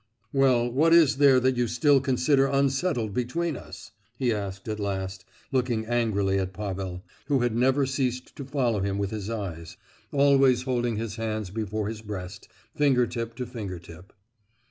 "Well, what is there that you still consider unsettled between us?" he asked at last, looking angrily at Pavel, who had never ceased to follow him with his eyes—always holding his hands before his breast, finger tip to finger tip.